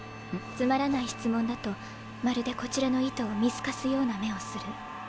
つまらない質問だとまるでこちらの意図を見透かすような目をする。